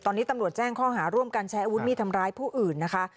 ตอนนี้ตำรวจแจ้งข้อหาร่วมกันใช้อาวุธมีดทำร้ายผู้อื่นนะคะ